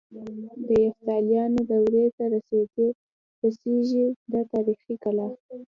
د یفتلیانو دورې ته رسيږي دا تاریخي کلا.